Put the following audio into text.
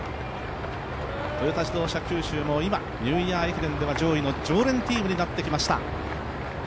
トヨタ自動車九州も今ニューイヤー駅伝では上位の常連チームになってきました。